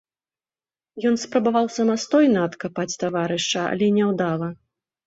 Ён спрабаваў самастойна адкапаць таварыша, але няўдала.